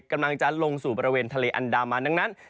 กำลังจะลงสู้ประเมย์ทะเลอันดามมา